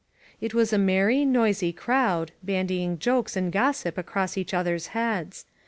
It was a merry, noisy crowd, bandying jokes and gossip across each others' heads.